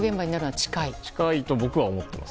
近いと僕は思っています。